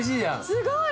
すごい。